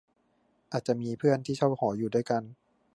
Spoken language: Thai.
อาจจะมีเพื่อนที่เช่าหออยู่ด้วยกัน